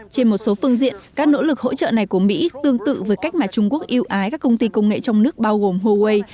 trên một số phương diện các nỗ lực hỗ trợ này của mỹ tương tự với cách mà trung quốc yêu ái các công ty công nghệ trong nước bao gồm huawei